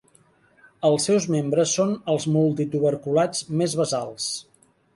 Els seus membres són els multituberculats més basals.